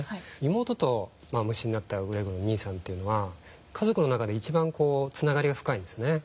妹と虫になったグレーゴル兄さんというのは家族の中で一番つながりが深いんですね。